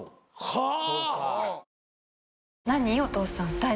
はあ。